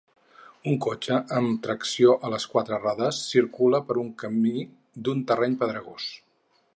Un cotxe amb tracció a les quatre rodes circula per un camí d'un terreny pedregós.